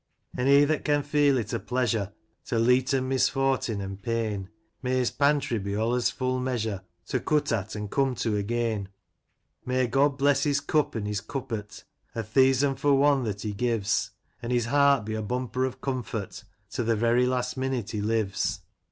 An' he that can feel it a pleasur' To leeten misfortin an' pain, — May his pantry be olez full measur*, To cut at, and come to again ; May God bless his cup and his cupbort, A theasan' for one that he gives ; An' his heart be a bumper o' comfort, To th' very last minute he lives